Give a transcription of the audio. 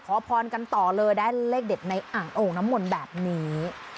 ขอพรกันต่อเลยได้เลขเด็ดในอ่างโอ่งน้ำมนต์แบบนี้